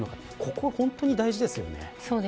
ここは本当に大事ですよね。